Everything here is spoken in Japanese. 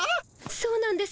そうなんです。